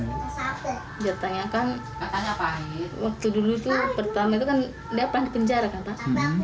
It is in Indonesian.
ditanyakan waktu dulu itu pertama itu kan dia pernah di penjara kan pak